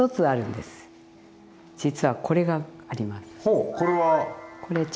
実はこれがあります。